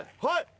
はい。